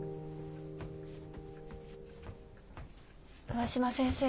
上嶋先生